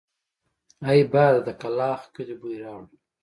اې باده د کلاخ کلي بوی راوړه!